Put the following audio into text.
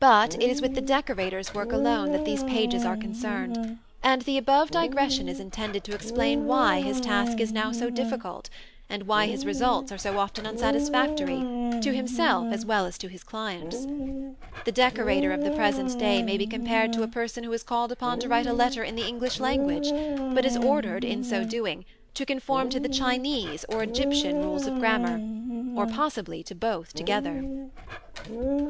But it is with the decorator's work alone that these pages are concerned, and the above digression is intended to explain why his task is now so difficult, and why his results are so often unsatisfactory to himself as well as to his clients. The decorator of the present day may be compared to a person who is called upon to write a letter in the English language, but is ordered, in so doing, to conform to the Chinese or Egyptian rules of grammar, or possibly to both together.